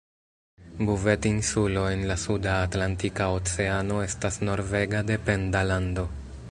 Buvet-Insulo en la suda Atlantika Oceano estas norvega dependa lando.